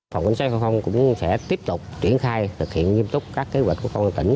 phòng cảnh sát giao thông cũng sẽ tiếp tục triển khai thực hiện nghiêm túc các kế hoạch của công an tỉnh